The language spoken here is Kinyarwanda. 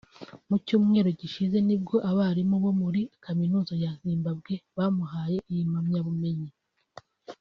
Mu cyumweru gishize nibwo abarimu bo muri Kaminuza ya Zimbabwe bamuhaye iyi mpamyabumenyi